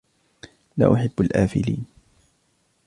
لا أحب الآفلين.